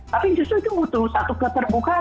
tapi justru itu butuh satu keterbukaan